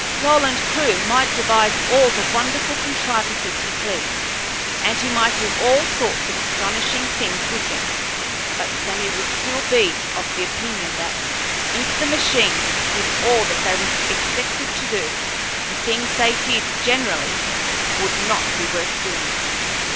Roland Clewe might devise all the wonderful contrivances he pleased, and he might do all sorts of astonishing things with them, but Sammy would still be of the opinion that, even if the machines did all that they were expected to do, the things they did generally would not be worth the doing.